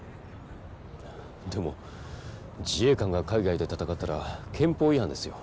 でも自衛官が海外で戦ったら憲法違反ですよ。